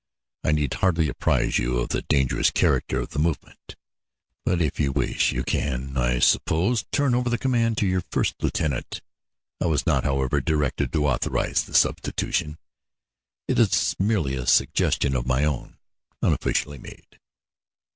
I need hardly apprise you of the dangerous character of the movement, but if you wish, you can, I suppose, turn over the command to your first lieutenant. I was not, however, directed to authorize the substitution; it is merely a suggestion of my own, unofficially made."